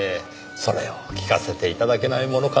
それを聞かせて頂けないものかと。